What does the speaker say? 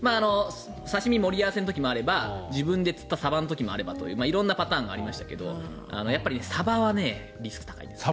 刺し身盛り合わせの時もあれば自分で釣ったサバとか色んなパターンがありましたけどやっぱりサバはリスクが高いです